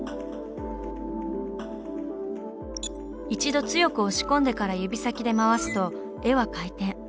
一度強く押し込んでから指先で回すと絵は回転。